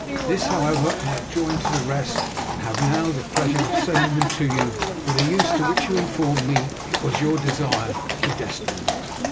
This, however, I have joined to the rest; and have now the pleasure of sending them to you for the use to which you informed me it was your desire to destine them.